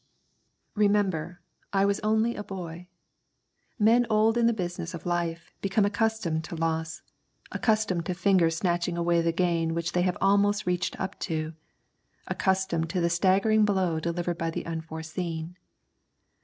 Remember, I was only a boy. Men old in the business of life become accustomed to loss; accustomed to fingers snatching away the gain which they have almost reached up to; accustomed to the staggering blow delivered by the Unforeseen.